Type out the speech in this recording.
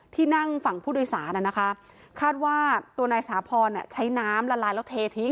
ที่นั่งฝั่งผู้โดยสารนะคะคาดว่าตัวนายสาพรใช้น้ำละลายแล้วเททิ้ง